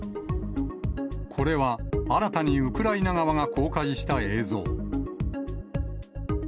これは、新たにウクライナ側が公開した映像。